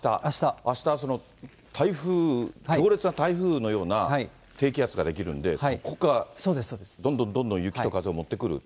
あした、強烈な台風のような低気圧が出来るんで、そこからどんどんどんどん雪と風をもってくる。